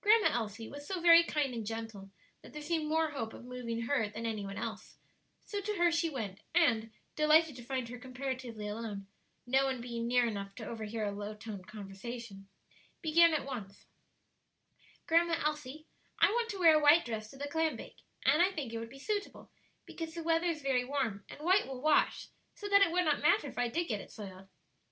Grandma Elsie was so very kind and gentle that there seemed more hope of moving her than any one else; so to her she went, and, delighted to find her comparatively alone, no one being near enough to overhear a low toned conversation, began at once: "Grandma Elsie, I want to wear a white dress to the clam bake; and I think it would be suitable, because the weather is very warm, and white will wash, so that it would not matter if I did get it soiled."